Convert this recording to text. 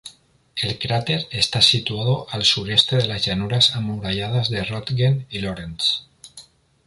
El cráter está situado al sureste de las llanuras amuralladas de Röntgen y Lorentz.